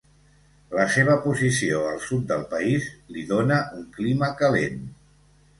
La seva posició al sud del país, li dóna un clima calent.